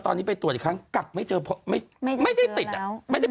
ตอนนี้ไปตรวจอีกครั้งกักไม่เจอไม่ไม่ได้ติดไม่ได้เป็น